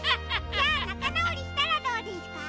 じゃあなかなおりしたらどうですか？